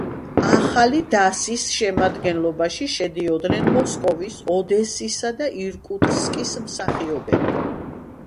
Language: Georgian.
ახალი დასის შემადგენლობაში შედიოდნენ მოსკოვის, ოდესისა და ირკუტსკის მსახიობები.